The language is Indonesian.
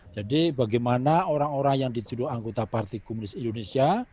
jadi bagaimana orang orang yang dituduh anggota parti komunis indonesia